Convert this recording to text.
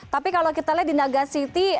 tapi kalau kita lihat di naga city